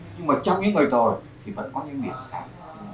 nhưng mà trong những người rồi thì vẫn có những điểm sáng